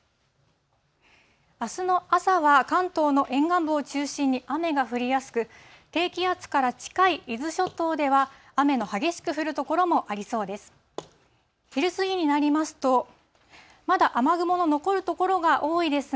あすの朝は関東の沿岸部を中心に雨が降りやすく、低気圧から近い伊豆諸島では、雨の激しく降る所もありそうです。